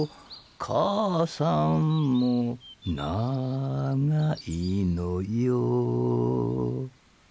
母さんも長いのよ」